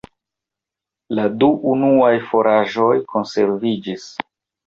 La du unuaj fosaĵoj konserviĝis.